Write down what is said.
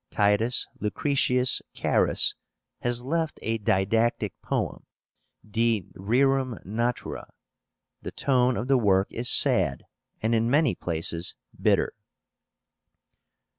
TITUS LUCRETIUS CARUS has left a didactic poem, De Rerum Natura. The tone of the work is sad, and in many places bitter.